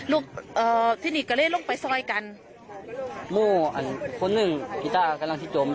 เอ่อที่นี่ก็เลยลงไปซอยกันโมอันคนหนึ่งกีต้ากำลังที่จม